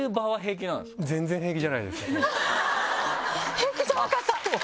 平気じゃなかった！